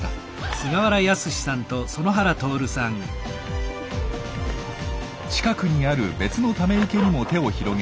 近くにある別のため池にも手を広げ３人がかり。